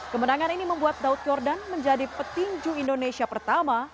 kemenangan ini membuat daud yordan menjadi petinju indonesia pertama